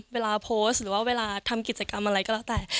เวลาโพสต์หรือว่าเวลาทำกิจกรรมอะไรก็แล้วแต่